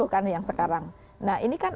kan yang sekarang nah ini kan